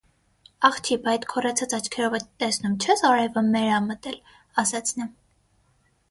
- Աղջի, բա էդ քոռացած աչքերովդ տեսնում չե՞ս արևը մեր ա մտել,- ասաց նա: